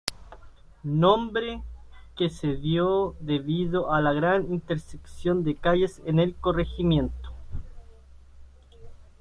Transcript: Nombre que se dio debido a la gran intersección de calles en el corregimiento.